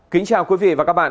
kính chào quý vị và các bạn